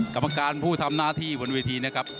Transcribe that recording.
กรรมการผู้ทำหน้าที่บนเวทีนะครับ